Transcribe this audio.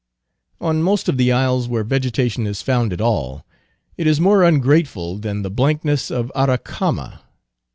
On most of the isles where vegetation is found at all, it is more ungrateful than the blankness of Aracama.